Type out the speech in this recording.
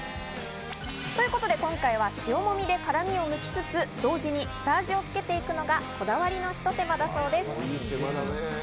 ということで今回は塩もみで辛味を抜きつつ同時に下味をつけていくのがこだわりのひと手間だそうです。